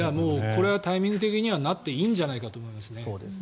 これはタイミング的にはなっていいんじゃないかと思いますね。